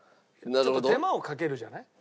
ちょっと手間をかけるじゃない。